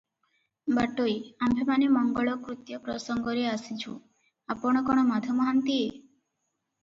ବାଟୋଇ- ଆମ୍ଭେମାନେ ମଙ୍ଗଳକୃତ୍ୟ ପ୍ରସଙ୍ଗରେ ଆସିଛୁଁ- ଆପଣ କଣ ମାଧ ମହାନ୍ତିଏ?